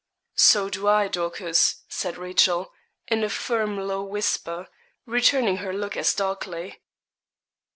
'So do I, Dorcas,' said Rachel, in a firm low whisper, returning her look as darkly.